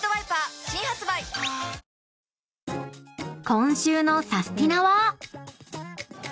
［今週の『サスティな！』は］